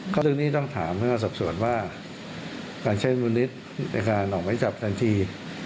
เรื่องนี้ต้องถามพนักงานสอบสวนว่าการใช้ดุลิตในการออกไม้จับทันที